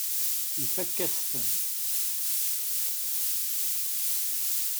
Ifakk-as-ten.